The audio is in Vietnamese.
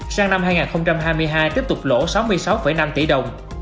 sang năm hai nghìn hai mươi hai tiếp tục lỗ sáu mươi sáu năm tỷ đồng